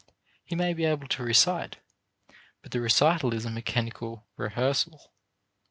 He may be able to recite, but the recital is a mechanical rehearsal.